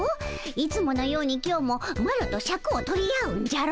いつものように今日もマロとシャクを取り合うんじゃろ？